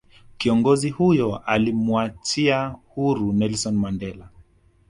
kiongozi huyo alimuachia huru Nelson Mandela